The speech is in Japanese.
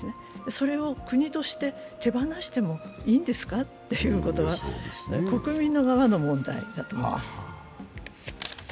それを国として手放してもいいんですかということは国民の側の問題だと思います。